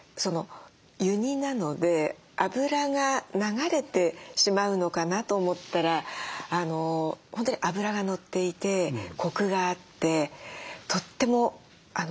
湯煮なので脂が流れてしまうのかなと思ったら本当に脂が乗っていてコクがあってとってもおいしかったです。